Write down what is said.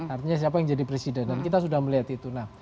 artinya siapa yang jadi presiden dan kita sudah melihat itu